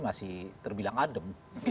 masih terbilang adem